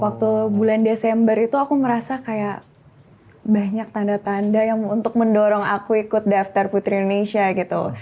waktu bulan desember itu aku merasa kayak banyak tanda tanda yang untuk mendorong aku ikut daftar putri indonesia gitu